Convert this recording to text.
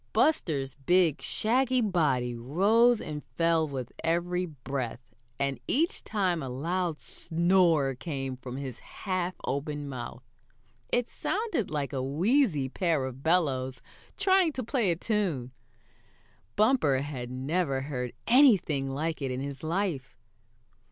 Buster's big, shaggy body rose and fell with every breath, and each time a loud snore came from his half open mouth. It sounded like a wheezy pair of bellows trying to play a tune. Bumper had never heard anything like it in his life.